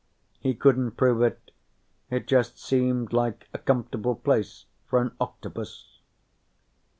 He couldn't prove it; it just seemed like a comfortable place for an octopus.